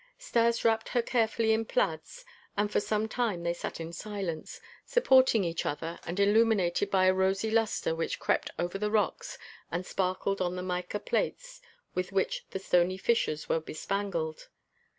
Stas wrapped her carefully in plaids and for some time they sat in silence, supporting each other and illuminated by a rosy luster which crept over the rocks and sparkled on the mica plates with which the stony fissures were bespangled.